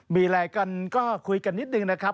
มีอะไรกันก็คุยกันนิดนึงนะครับ